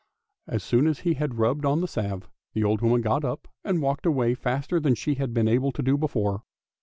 As soon as he had rubbed on the salve, the old woman got up and walked away faster than she had been able to do before.